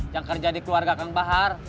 yang kerja di keluarga kang bahar